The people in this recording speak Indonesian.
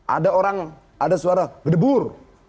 ada orang ada suara gedebur